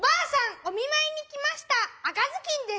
おみまいにきました赤ずきんです。